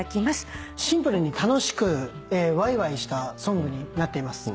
シンプルに楽しくわいわいしたソングになっています。